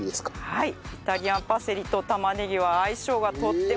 はい。